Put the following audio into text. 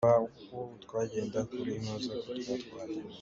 A hnulei aa ngalh hnik lio ah ka tlaih manh.